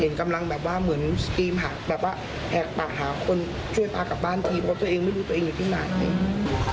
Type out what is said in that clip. เห็นกำลังแบบว่าเหมือนแหกปากหาคนช่วยปากกลับบ้านทีเพราะตัวเองไม่รู้ตัวเองอยู่ที่ไหนเลย